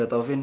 gak tau vin